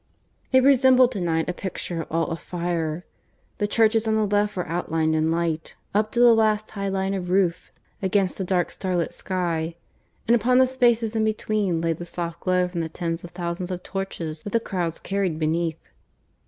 It resembled to night a picture all of fire. The churches on the left were outlined in light, up to the last high line of roof against the dark starlit sky; and upon the spaces in between lay the soft glow from the tens of thousands of torches that the crowds carried beneath.